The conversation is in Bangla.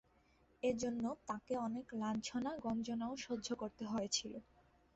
এজন্য তাঁকে অনেক লাঞ্ছনা-গঞ্জনাও সহ্য করতে হয়েছিল।